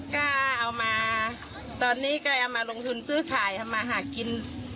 ก็เอามาตอนนี้ก็เอามาลงทุนซื้อขายทำมาหากิน